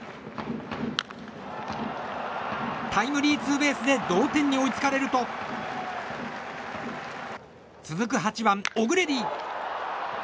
タイムリーツーベースで同点に追いつかれると続く８番、オグレディ。